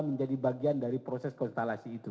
menjadi bagian dari proses konstelasi itu